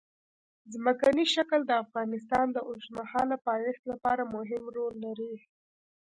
ځمکنی شکل د افغانستان د اوږدمهاله پایښت لپاره مهم رول لري.